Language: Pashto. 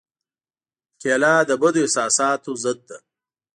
کېله د بدو احساساتو ضد ده.